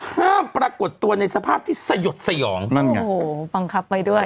ปรากฏตัวในสภาพที่สยดสยองนั่นไงโอ้โหบังคับไว้ด้วย